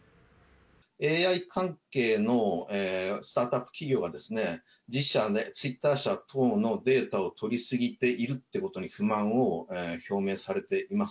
ＡＩ関係のスタートアップ企業がですね、ツイッター社等のデータを取り過ぎているってことに不満を表明されています。